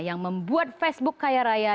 yang membuat facebook kaya raya